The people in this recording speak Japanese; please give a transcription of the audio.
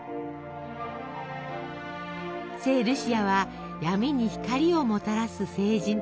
聖ルシアは「闇に光をもたらす聖人」。